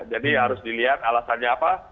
jadi harus dilihat alasannya apa